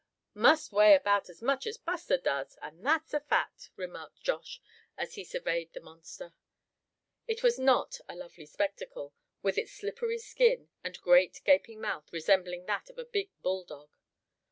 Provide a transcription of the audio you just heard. must weigh about as much as Buster does, and that's a fact!" remarked Josh, as he surveyed the monster. It was not a lovely spectacle, with its slippery skin, and great gaping mouth resembling that of a big bulldog.